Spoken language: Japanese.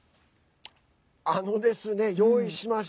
あのですね、用意しました。